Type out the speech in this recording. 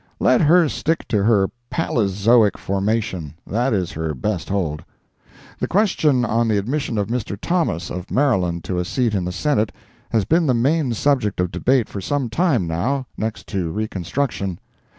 Let her stick to her palezoic formation. That is her best hold. The question on the admission of Mr. Thomas, of Maryland, to a seat in the Senate, has been the main subject of debate for some time, now, next to reconstruction.